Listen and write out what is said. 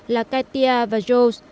là katia và jaws